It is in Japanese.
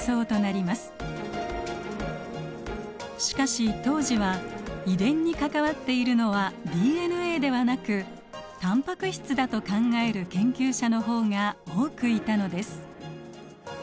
しかし当時は遺伝に関わっているのはＤＮＡではなくタンパク質だと考える研究者の方が多くいたのです。